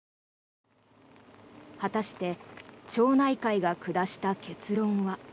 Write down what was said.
果たして町内会が下した結論は。